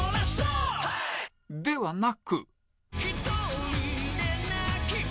ではなく